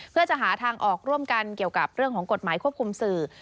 เพื่อจะหาทางออกร่วมกันเกี่ยวกับเรื่องของกฎหมายควบคุมสื่อ